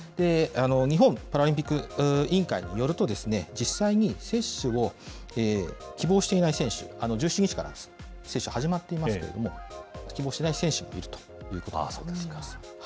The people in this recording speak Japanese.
日本パラリンピック委員会によると、実際に接種を希望していない選手、１７日から接種、始まっていますけれども、希望していない選手がいるということです。